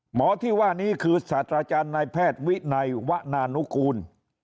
หมอที่ว่านี้คือศาสตราจารย์นายแพทย์วินัยวะนานุกูล